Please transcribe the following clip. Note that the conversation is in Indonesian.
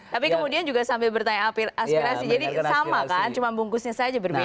tapi kemudian juga sambil bertanya aspirasi jadi sama kan cuma bungkusnya saja berbeda